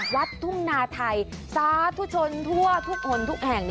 วัดทุ่งนาไทยสาธุชนทั่วทุกคนทุกแห่ง